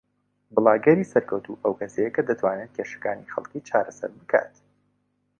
بڵاگەری سەرکەوتوو ئەو کەسەیە کە دەتوانێت کێشەکانی خەڵکی چارەسەر بکات